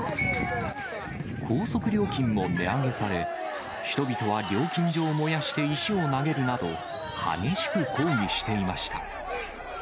高速料金も値上げされ、人々は料金所を燃やして石を投げるなど、激しく抗議していました。